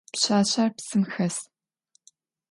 Pşsaşser psım xes.